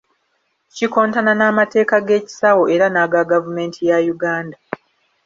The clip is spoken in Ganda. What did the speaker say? Kikontana n’amateeka g’ekisawo era n’aga gavumenti ya Uganda.